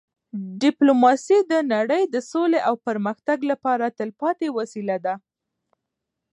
ډيپلوماسي د نړی د سولې او پرمختګ لپاره تلپاتې وسیله ده.